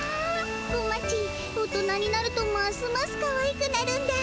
小町大人になるとますますかわいくなるんだ。